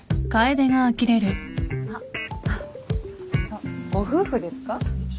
あっご夫婦ですか？